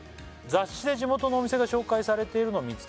「雑誌で地元のお店が紹介されているのを見つけ」